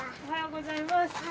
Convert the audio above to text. おはようございます。